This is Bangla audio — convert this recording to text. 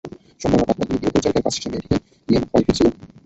সোমবার রাত আটটার দিকে গৃহপরিচারিকার কাজ শেষে মেয়েকে নিয়ে বাড়ি ফিরছিলেন।